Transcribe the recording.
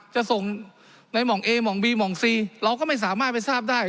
จะส่งในหม่องเอหม่องบีหม่องซีเราก็ไม่สามารถไปทราบได้